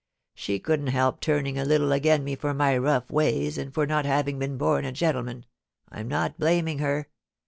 She couldn't help turning a little agen me for my rough ways and for not having been bom a gentle man — I'm not blaming her.